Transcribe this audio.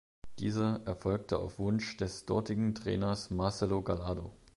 Diese erfolgte auf Wunsch des dortigen Trainers Marcelo Gallardo.